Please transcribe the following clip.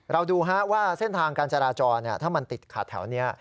เราดูว่าเส้นทางการจราจรถ้ามันติดขัดแถวนี้